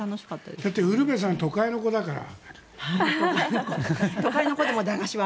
だってウルヴェさんは都会の子だから。